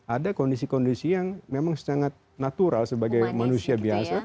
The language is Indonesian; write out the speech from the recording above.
ada kondisi kondisi yang memang sangat natural sebagai manusia biasa